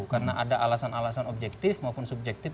karena ada alasan alasan objektif maupun subjektif